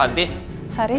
aku berani aku berani